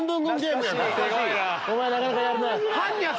おまえなかなかやるな。